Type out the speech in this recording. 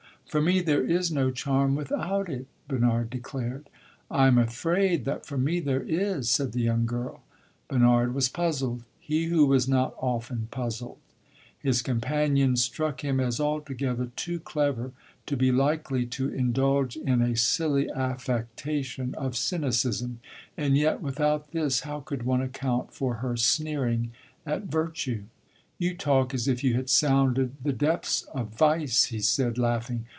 "For me there is no charm without it," Bernard declared. "I am afraid that for me there is," said the young girl. Bernard was puzzled he who was not often puzzled. His companion struck him as altogether too clever to be likely to indulge in a silly affectation of cynicism. And yet, without this, how could one account for her sneering at virtue? "You talk as if you had sounded the depths of vice!" he said, laughing.